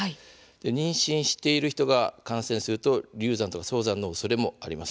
妊娠している人が感染すると流産や早産のおそれもあります。